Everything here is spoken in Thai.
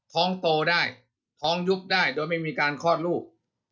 ท้องโตได้ท้องยุบได้โดยไม่มีการคลอดลูก